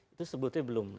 itu sebetulnya belum